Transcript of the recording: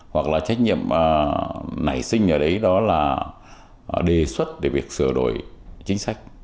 hoặc là trách nhiệm nảy sinh ở đấy đó là đề xuất về việc sửa đổi chính sách